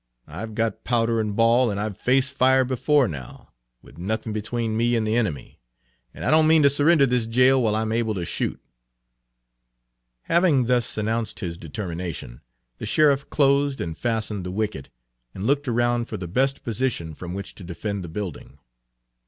I've got powder and ball, and I've faced fire before now, with nothing between me and the enemy, and I don't mean to surrender this jail while I 'm able to shoot." Having thus announced his determination, the sheriff closed and fastened the wicket, and looked around for the best position from which to defend the building.